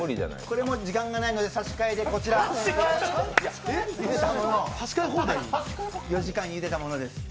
これも時間がないので差し替えでこちら４時間ゆでたものです。